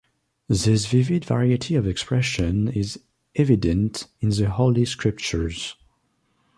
This vivid variety of expression is evident in the Holy Scriptures.